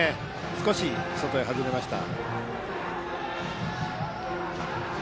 少し外へ外れました。